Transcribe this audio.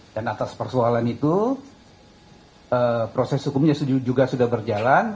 dan atas persoalan itu proses hukumnya juga sudah berjalan